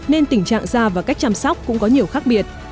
nên tình trạng da và cách chăm sóc cũng có nhiều khác biệt